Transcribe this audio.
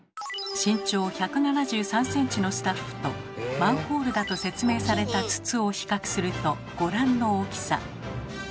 身長１７３ｃｍのスタッフとマンホールだと説明された筒を比較するとご覧の大きさ。